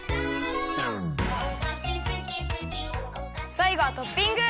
さいごはトッピング。